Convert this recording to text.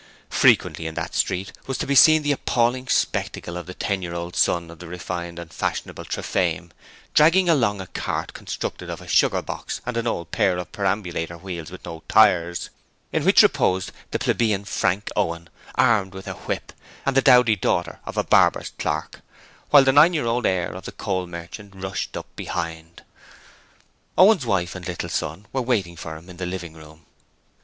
Frequently in that street was to be seen the appalling spectacle of the ten year old son of the refined and fashionable Trafaim dragging along a cart constructed of a sugar box and an old pair of perambulator wheels with no tyres, in which reposed the plebeian Frankie Owen, armed with a whip, and the dowdy daughter of a barber's clerk: while the nine year old heir of the coal merchant rushed up behind... Owen's wife and little son were waiting for him in the living room.